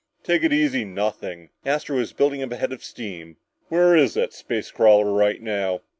"Take it easy, nothing!" Astro was building up a big head of steam. "Where is that space crawler right now?"